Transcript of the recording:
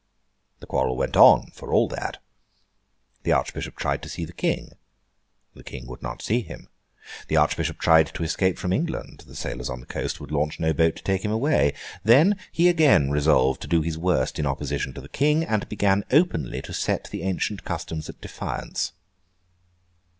The quarrel went on, for all that. The Archbishop tried to see the King. The King would not see him. The Archbishop tried to escape from England. The sailors on the coast would launch no boat to take him away. Then, he again resolved to do his worst in opposition to the King, and began openly to set the ancient customs at defiance.